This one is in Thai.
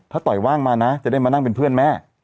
ถ้าต่อยว่างมานะจะได้มานั่งเป็นเพื่อนแม่